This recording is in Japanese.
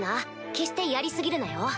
決してやり過ぎるなよ。